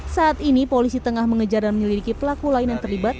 saat ini polisi tengah mengejar dan menyelidiki pelaku lain yang terlibat